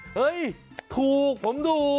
เฮ้ยถูกผมถูก